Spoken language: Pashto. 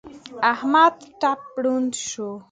احمد ټپ ړوند شو.